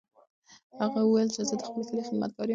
هغه وویل چې زه د خپل کلي خدمتګار یم.